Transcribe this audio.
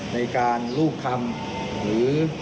ในการรูปคำหรือ